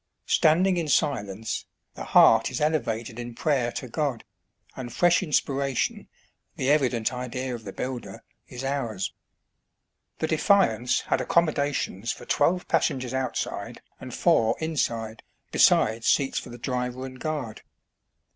Standing in silence, the heart is elevated in prayer to God, and fresh inspira tion, the evident idea of the builder, is ours. The "Defiance" had accommodations for twelve passengers outside and four inside, besides seats for the driver and guard.